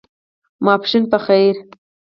ماسپښېن په خیر !